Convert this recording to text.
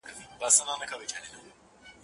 وطن په مړو نه جوړیږي په ژوندو جوړیږي